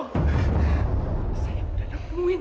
saya udah nemuin